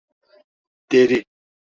Deri.